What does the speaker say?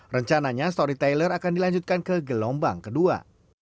rencananya storytyler akan dilanjutkan ke gelombang kedua